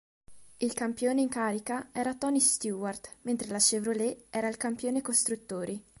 Il campione in carica era Tony Stewart mentre la Chevrolet era il campione costruttori.